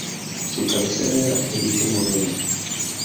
Su cabecera era Perito Moreno.